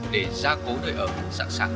để gia cố đời ở sẵn sàng